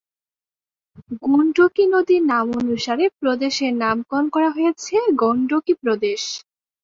গণ্ডকী নদীর নামানুসারে প্রদেশের নামকরণ করা হয়েছে "গণ্ডকী প্রদেশ"।